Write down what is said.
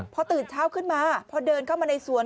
พอตื่นเช้าขึ้นมาพอเดินเข้ามาในสวน